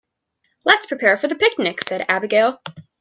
"Let's prepare for the picnic!", said Abigail.